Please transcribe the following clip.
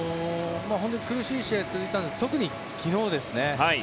苦しい試合が続いたんですけど特に昨日ですね。